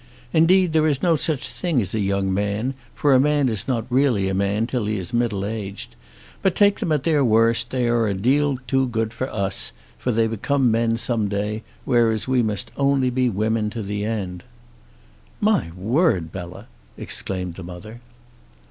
Indeed there is no such thing as a young man, for a man is not really a man till he is middle aged. But take them at their worst they are a deal too good for us, for they become men some day, whereas we must only be women to the end." "My word, Bella!" exclaimed the mother.